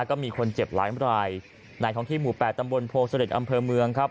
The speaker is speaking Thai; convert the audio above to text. ก็มีคนเจ็บหลายรายในท้องที่หมู่๘ตำบลโพเสด็จอำเภอเมืองครับ